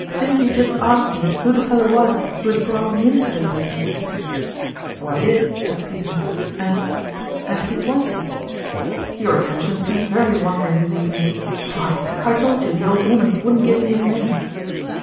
Didn't you just ask me who the fellow was who has brought me into this business ?"" So I did," said Peter, " and and who was he?" JkrioMc jUratmng0. 105 " Your attention seems very wandering this evening! Why, I told you the old woman wouldn't give me his name."